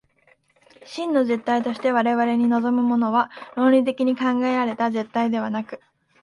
真の絶対として我々に臨むものは、論理的に考えられた絶対ではなく、